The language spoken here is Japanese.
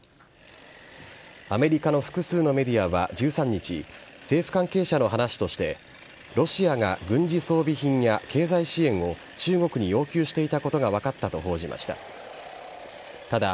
アメリカの複数のメディアは１３日、政府関係者の話として、ロシアが軍事装備品や経済支援を中国に要求していたことが分かったと報じました。